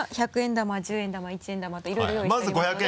玉１０円玉１円玉といろいろ用意しておりますので。